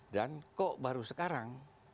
dan kok baru sekarang